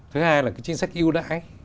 thứ hai là cái chính sách yêu đại